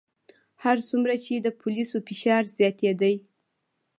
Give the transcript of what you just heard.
هر څومره چې د پولیسو فشار زیاتېدی.